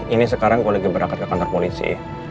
ini sekarang kalau lagi berangkat ke kantor polisi